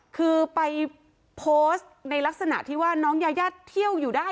คือไปโพสต์ในลักษณะที่ว่าน้องยายาเที่ยวอยู่ได้